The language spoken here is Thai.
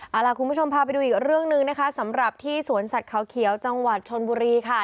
เอาล่ะคุณผู้ชมพาไปดูอีกเรื่องหนึ่งนะคะสำหรับที่สวนสัตว์เขาเขียวจังหวัดชนบุรีค่ะ